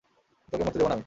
তোকে মরতে দেব না আমি!